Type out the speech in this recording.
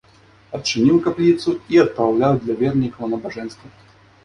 Адчыніў капліцу і адпраўляў для вернікаў набажэнствы.